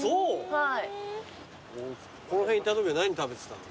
はい。